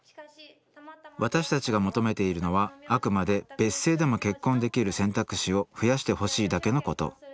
私たちが求めているのはあくまで別姓でも結婚できる選択肢を増やしてほしいだけのこと。